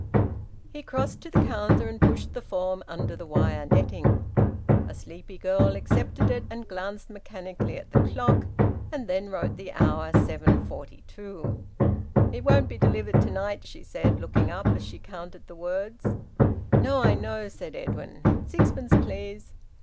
He crossed to the counter, and pushed the form under the wire netting. A sleepy girl accepted it, and glanced mechanically at the clock, and then wrote the hour 7:42. "It won't be delivered to night," she said, looking up, as she counted the words. "No, I know," said Edwin. "Sixpence, please."